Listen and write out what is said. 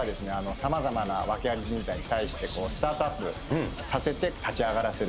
様々な訳あり人材に対してスタートアップさせて立ち上がらせる。